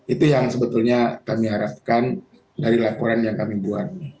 itu yang sebetulnya kami harapkan dari laporan yang kami buat